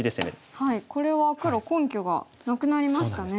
これは黒根拠がなくなりましたね。